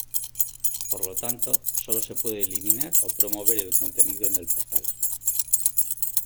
Por lo tanto, sólo se puede eliminar o promover el contenido en el portal.